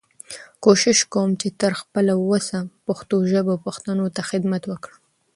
کوشش کوم چې تر خپل وسه پښتو ژبې او پښتنو ته خدمت وکړم.